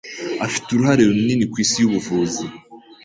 Afite uruhare runini kwisi yubuvuzi.